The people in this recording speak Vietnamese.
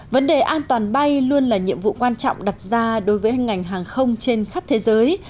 vấn đề an toàn bay luôn là nhiệm vụ quan trọng đặt ra đối với ngành hàng không trên khắp thế giới